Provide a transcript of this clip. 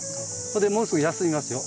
ここでもうすぐ休みますよ。